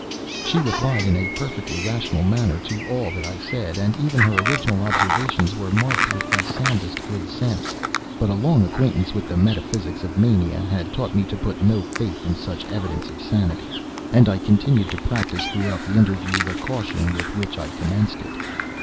She replied in a perfectly rational manner to all that I said; and even her original observations were marked with the soundest good sense, but a long acquaintance with the metaphysics of mania, had taught me to put no faith in such evidence of sanity, and I continued to practise, throughout the interview, the caution with which I commenced it.